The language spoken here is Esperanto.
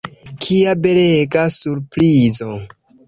Kia belega surprizo!